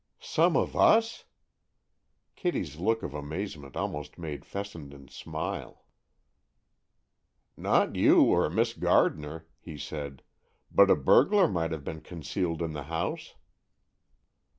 "Some of us?" Kitty's look of amazement almost made Fessenden smile. "Not you or Miss Gardner," he said. "But a burglar might have been concealed in the house."